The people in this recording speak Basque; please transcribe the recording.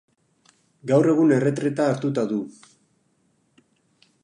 Gaur egun erretreta hartuta du.